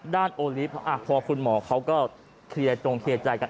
โอลิฟต์พอคุณหมอเขาก็เคลียร์จงเคลียร์ใจกัน